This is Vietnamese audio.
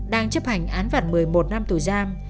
đang chấp hành án phạt một mươi một năm tù giam